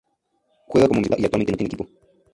Juega como mediocampista y actualmente no tiene equipo.